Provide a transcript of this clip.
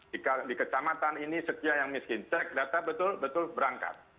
jika di kecamatan ini setia yang miskin cek data betul betul berangkat